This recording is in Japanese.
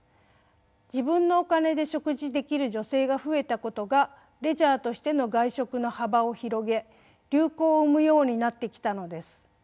自分のお金で食事できる女性が増えたことがレジャーとしての外食の幅を広げ流行を生むようになってきたのです。